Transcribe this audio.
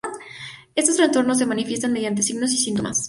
Estos trastornos se manifiestan mediante signos y síntomas.